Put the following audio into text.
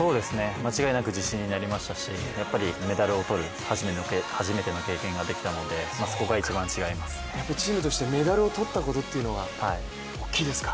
間違いなく自信になりましたし、やっぱりメダルを取る初めての経験ができたので、やっぱりチームとしてメダルを取ったことっていうのが大きいですか。